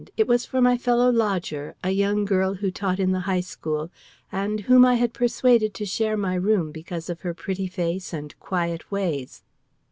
It was for my fellow lodger, a young girl who taught in the High School, and whom I had persuaded to share my room because of her pretty face and quiet ways.